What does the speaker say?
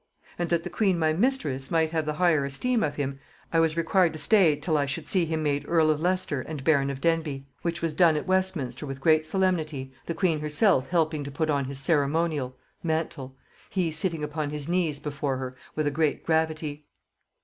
And that the queen my mistress might have the higher esteem of him, I was required to stay till I should see him made earl of Leicester and baron of Denbigh; which was done at Westminster with great solemnity, the queen herself helping to put on his ceremonial (mantle), he sitting upon his knees before her with a great gravity.